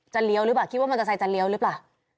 เลี้ยวหรือเปล่าคิดว่ามอเตอร์ไซค์จะเลี้ยวหรือเปล่า